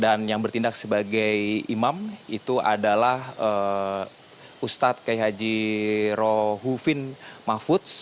dan yang bertindak sebagai imam itu adalah ustadz k h rohufin mahfudz